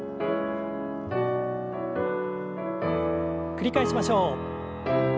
繰り返しましょう。